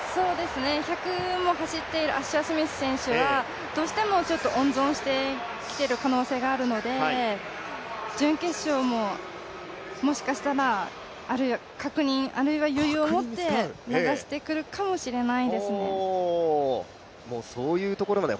１００も走っているアッシャースミス選手はどうしても温存してきてる可能性があるので準決勝ももしかしたら、確認、あるいは余裕をもって流してくるかもしれないですね。